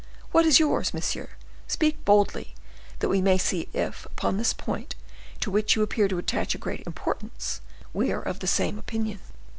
What is yours, monsieur? Speak boldly, that we may see if, upon this point, to which you appear to attach a great importance, we are of the same opinion."